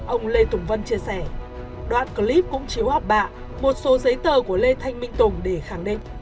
ông lê tùng vân chia sẻ đoạn clip cũng chiếu học bạ một số giấy tờ của lê thanh minh tùng để khẳng định